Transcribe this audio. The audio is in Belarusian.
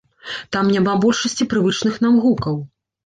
Там няма большасці прывычных нам гукаў.